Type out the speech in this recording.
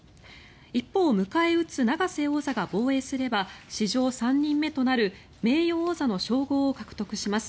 一方迎え撃つ永瀬王座が防衛すれば史上３人目となる名誉王座の称号を獲得します。